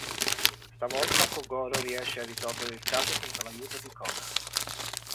Stavolta Kogoro riesce a risolvere il caso senza l'aiuto di Conan.